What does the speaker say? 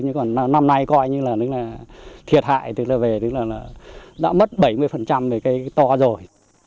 nhưng còn năm nay coi như là thiệt hại tức là đã mất bảy mươi về cây to rồi